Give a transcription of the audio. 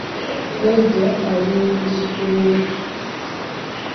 Jjajja ali ne muzzukulu we.